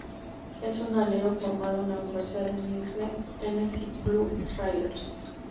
Es un alero formado en la universidad de Middle Tennessee Blue Raiders.